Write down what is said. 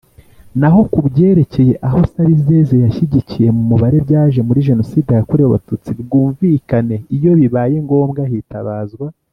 Naho ku byerekeye aho Sabizeze yashyikiye mu Mubare byaje muri jenoside yakorewe Abatutsi bwumvikane Iyo bibaye ngombwa hitabazwa